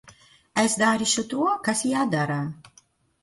Es darīšu to, kas jādara.